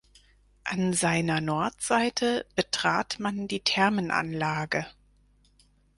An seiner Nordseite betrat man die Thermenanlage.